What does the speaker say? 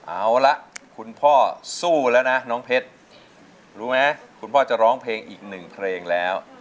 เอาละคุณพ่อสู้แล้วนะน้องเพชรรู้ไหมคุณพ่อจะร้องเพลงอีกหนึ่งเพลงแล้ว